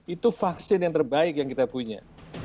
itu vaksin yang terbaik yang kita punya